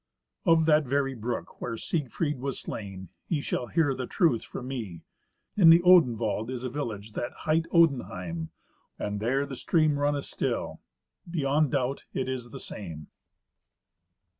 Of that very brook where Siegfried was slain ye shall hear the truth from me. In the Odenwald is a village that hight Odenheim, and there the stream runneth still; beyond doubt it is the same.